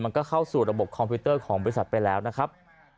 เข้าสู่ระบบคอมพิวเตอร์ของบริษัทไปแล้วนะครับ